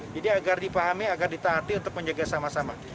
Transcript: jadi agar dipahami agar ditaati untuk menjaga sama sama